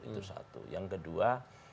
itu satu yang kedua